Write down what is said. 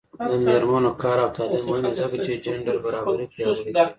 د میرمنو کار او تعلیم مهم دی ځکه چې جنډر برابري پیاوړې کوي.